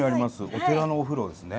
お寺のお風呂ですね。